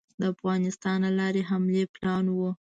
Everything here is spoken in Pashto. د افغانستان له لارې حملې پلان وو.